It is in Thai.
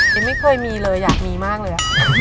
ยังไม่เคยมีเลยอยากมีมากเลย